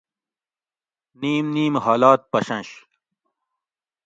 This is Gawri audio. نیم نیم حالات پشنش